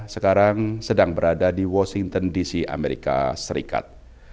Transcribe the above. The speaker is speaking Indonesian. sekarang sedang berada di washington dc amerika serikat